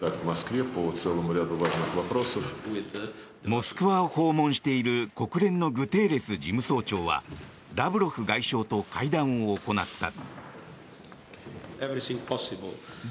モスクワを訪問している国連のグテーレス事務総長はラブロフ外相と会談を行った。